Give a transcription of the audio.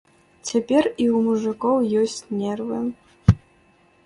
Цяпер і ў мужыкоў ёсць нервы.